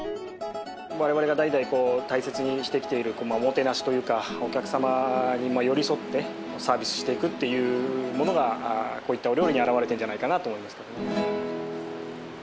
我々が代々大切にしてきているおもてなしというかお客様に寄り添ってサービスしていくっていうものがこういったお料理に表れてるんじゃないかなと思いますけどね。